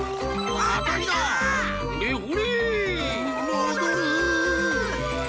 もどる！